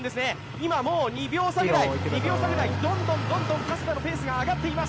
今、もう２秒差ぐらい、どんどん加世田のペースが上がっています。